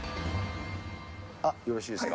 あっ、よろしいですか。